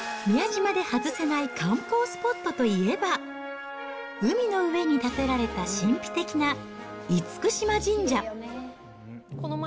宮島で外せない観光スポットといえば、海の上に建てられた神秘的な厳島神社。